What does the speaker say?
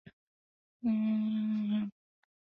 The piece is named after a Turkish saint.